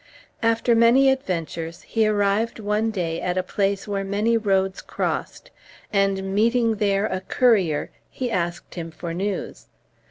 After many adventures, he arrived one day at a place where many roads crossed, and meeting there a courier, he asked him for news.